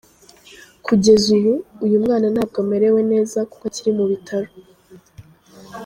Kugeza ubu, uyu mwana ntabwo amerewe neza kuko akiri mu bitaro.